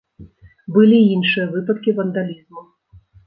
Былі і іншыя выпадкі вандалізму.